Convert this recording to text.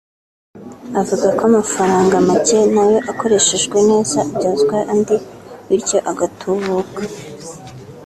avuga ko amafaranga macye nayo akoreshejwe neza abyazwa andi bityo agatubuka